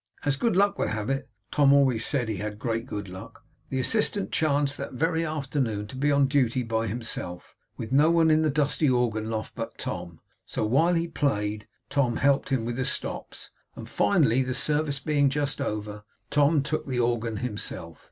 As good luck would have it (Tom always said he had great good luck) the assistant chanced that very afternoon to be on duty by himself, with no one in the dusty organ loft but Tom; so while he played, Tom helped him with the stops; and finally, the service being just over, Tom took the organ himself.